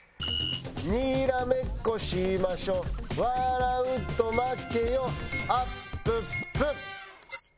「にらめっこしましょ」「笑うと負けよあっぷっぷ」